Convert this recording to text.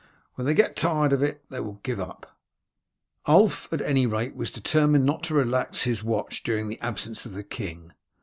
When they get tired of it they will give it up." Ulf, at any rate, was determined not to relax his watch during the absence of the king.